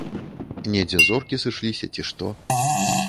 Недзе зоркі сышліся, ці што.